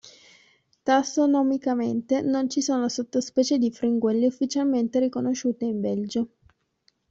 Tassonomicamente, non ci sono sottospecie di fringuelli ufficialmente riconosciute in Belgio.